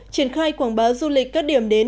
triển khai quảng báo du lịch các điểm đến